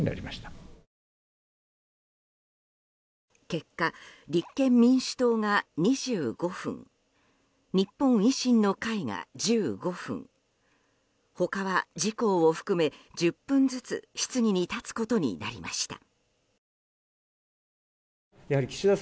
結果、立憲民主党が２５分日本維新の会が１５分他は自公を含め１０分ずつ質疑に立つことになりました。